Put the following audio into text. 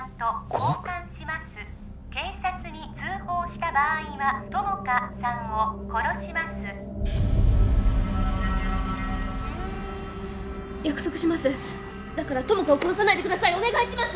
５億警察に通報した場合は友果さんを殺します約束しますだから友果を殺さないでくださいお願いします！